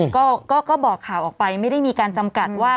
ก็บอกข่าวออกไปไม่ได้มีการจำกัดว่า